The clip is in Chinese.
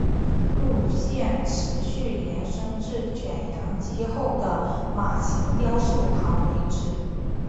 路线持续延伸至卷扬机后的马型雕塑旁为止。